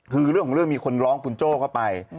คือเรื่องของเรื่องมีคนร้องคุณโจ้เข้าไป